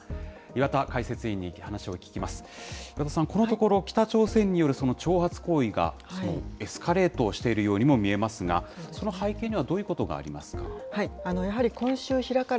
岩田さん、このところ、北朝鮮による挑発行為が、エスカレートをしているようにも見えますが、その背景にはどういうことがありますか。